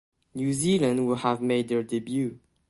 New Zealand would have made their debut.